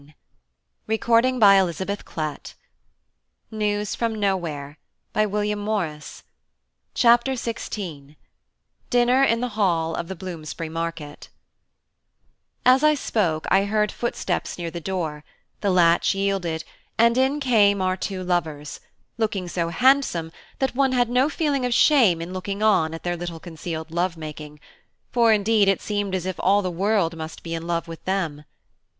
But I should like to ask a few more questions, and then I have done for to day." CHAPTER XVI: DINNER IN THE HALL OF THE BLOOMSBURY MARKET As I spoke, I heard footsteps near the door; the latch yielded, and in came our two lovers, looking so handsome that one had no feeling of shame in looking on at their little concealed love making; for indeed it seemed as if all the world must be in love with them.